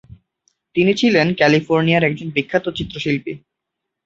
তিনি ছিলেন ক্যালিফোর্নিয়ার একজন বিখ্যাত চিত্রশিল্পী।